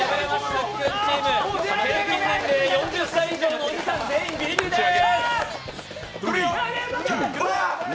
さっくチーム、平均年齢４０歳以上のおじさん、全員ビリビリです！